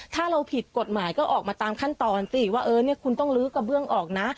ถ้าเราผิดกฎหมายก็ออกมาตามขั้นตอนสิว่าเออเนี่ยคุณต้องลื้อกระเบื้องออกนะ